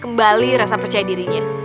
kembali rasa percaya dirinya